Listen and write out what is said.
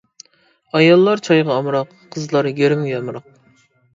ئاياللار چايغا ئامراق، قىزلار گىرىمگە ئامراق.